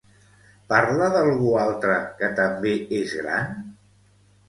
Parla d'algú altre que també és gran?